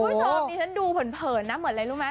ทุกท่อนี้ฉันดูเผินนะเหมือนอะไรรู้มั้ย